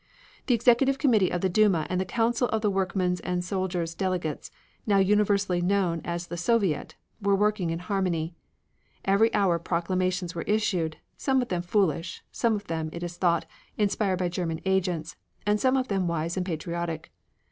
The Executive Committee of the Duma and the Council of the Workmen's and Soldiers' Delegates, now universally known as the Soviet, were working in harmony. Every hour proclamations were issued, some of them foolish, some of them, it is thought, inspired by German agents, and some of them wise and patriotic.